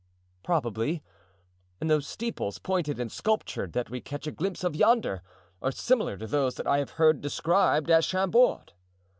"Probably; and those steeples, pointed and sculptured, that we catch a glimpse of yonder, are similar to those that I have heard described at Chambord."